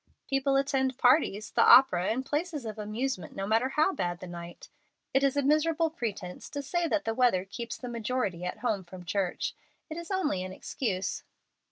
People attend parties, the opera, and places of amusement no matter how bad the night. It is a miserable pretence to say that the weather keeps the majority at home from church. It is only an excuse.